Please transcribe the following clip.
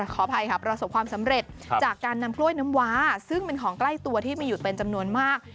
ขออภัยค่ะประสบความสำเร็จจากการนำกล้วยน้ำว้าซึ่งเป็นของใกล้ตัวที่มีอยู่เป็นจำนวนมาก